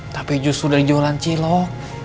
tapi justru dari jualan cilok